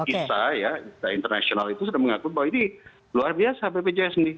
isa ya isa international itu sudah mengaku bahwa ini luar biasa bpjs ini